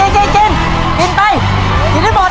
กินกินไปกินให้หมด